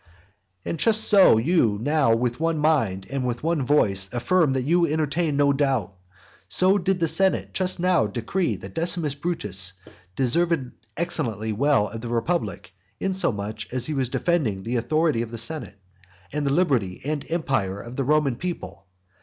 IV. And just as you now with one mind and one voice affirm that you entertain no doubt, so did the senate just now decree that Decimus Brutus deserved excellently well of the republic, inasmuch as he was defending the authority of the senate and the liberty and empire of the Roman people.